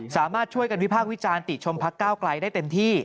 สามารถช่วยกันวิพากษ์วิจารณ์ติชมพักก้าวไกลได้เต็มที่